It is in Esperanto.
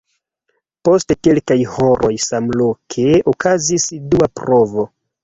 Post kelkaj horoj samloke okazis dua provo.